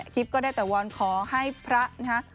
ก็ได้แต่วอนขอให้พระนะฮะ